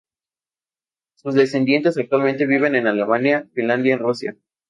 Sus descendientes actualmente viven en Alemania, Finlandia y Rusia.